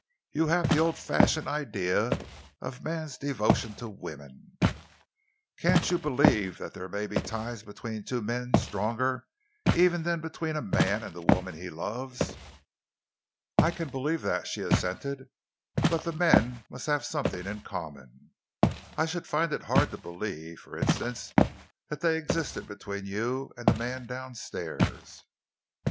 "You have the old fashioned idea of man's devotion to woman. Can't you believe that there may be ties between two men stronger even than between a man and the woman he loves?" "I can believe that," she assented, "but the men must have something in common. I should find it hard to believe, for instance, that they existed between you and the man downstairs."